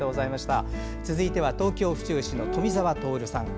続いては東京・府中市の富澤徹さん。